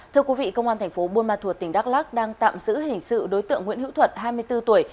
thưa quý vị công an thành phố buôn ma thuột tỉnh đắk lắc đang tạm giữ hình sự đối tượng nguyễn hữu thuận hai mươi bốn tuổi